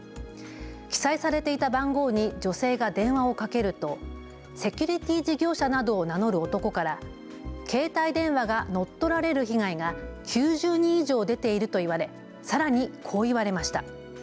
記載されていた番号に女性が電話をかけるとセキュリティー事業者などを名乗る男から携帯電話が乗っ取られる被害が９０人以上、出ていると言われさらに、こう言われました。